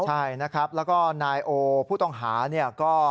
ใช่นะครับแล้วก็นายโอผู้ต้องหาเนี่ยก็